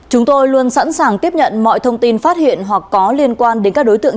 chúng tôi luôn sẵn sàng tiếp nhận mọi thông tin phát hiện hoặc có liên quan đến các đối tượng